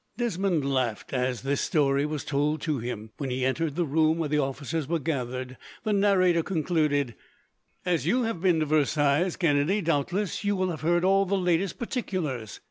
Desmond laughed, as this story was told to him, when he entered the room where the officers were gathered. The narrator concluded: "As you have been to Versailles, Kennedy, doubtless you will have heard all the latest particulars.